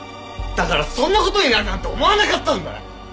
だからそんな事になるなんて思わなかったんだよ！